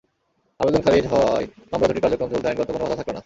আবেদন খারিজ হওয়ায় মামলা দুটির কার্যক্রম চলতে আইনগত কোনো বাধা থাকল না।